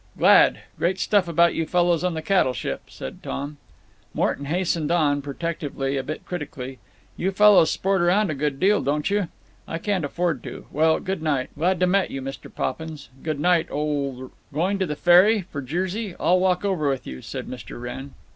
"Glad. Great stuff about you fellows on the cattle ship," said Tom. Morton hastened on, protectively, a bit critically: "You fellows sport around a good deal, don't you?… I can't afford to…. Well, good night. Glad to met you, Mr. Poppins. G' night, old Wr—" "Going to the ferry? For Jersey? I'll walk over with you," said Mr. Wrenn.